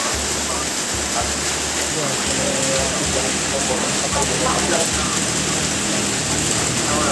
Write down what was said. তিনি আর্সেনালের ইতিহাসের সর্বপ্রথম সফল ম্যানেজার।